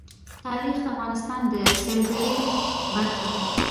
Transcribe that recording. تاریخ د افغانستان د سیلګرۍ برخه ده.